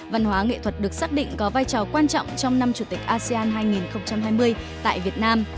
văn hóa nghệ thuật được xác định có vai trò quan trọng trong năm chủ tịch asean hai nghìn hai mươi tại việt nam